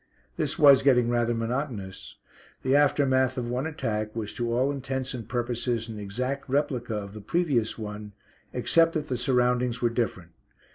This was getting rather monotonous. The aftermath of one attack was to all intents and purposes an exact replica of the previous one, except that the surroundings were different.